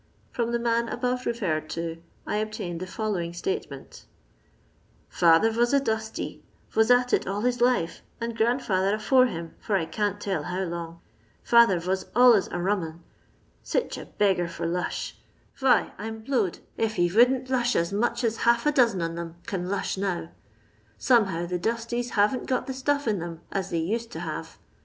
From the man above referred to I obtained the following statement :—" Father vos a dustie ;— vos at it all his life, and grandfi&ther afore him for I can't tell how long. Father vos alius a rum 'un ;— iich a beggar for lush. Vhy I 'm Wowed if he | rouldn't lush aa much aa half a doxen on 'em can lush now; lomehow tha dusties hasn't got the stuff in 'em as they used to have.